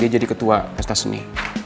dia jadi ketua pesta seni